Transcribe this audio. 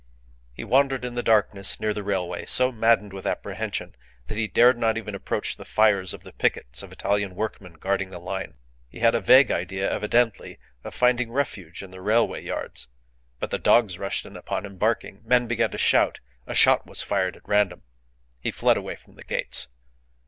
He wandered in the darkness near the railway, so maddened by apprehension that he dared not even approach the fires of the pickets of Italian workmen guarding the line. He had a vague idea evidently of finding refuge in the railway yards, but the dogs rushed upon him, barking; men began to shout; a shot was fired at random. He fled away from the gates.